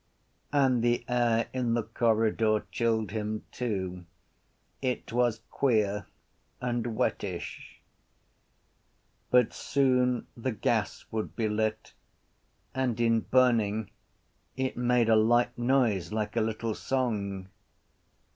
And the air in the corridor chilled him too. It was queer and wettish. But soon the gas would be lit and in burning it made a light noise like a little song.